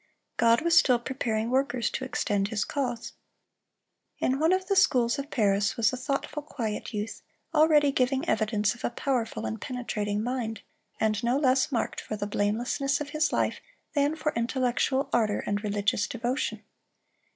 God was still preparing workers to extend His cause. In one of the schools of Paris was a thoughtful, quiet youth, already giving evidence of a powerful and penetrating mind, and no less marked for the blamelessness of his life than for intellectual ardor and religious devotion.